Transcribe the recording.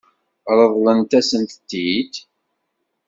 Ṛeḍlent-asen-t-id?